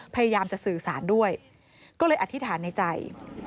พยายามจะสื่อสารด้วยก็เลยอธิษฐานในใจ